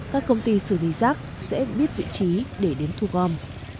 các công ty xử lý rác sẽ biết vị trí để đến thu gom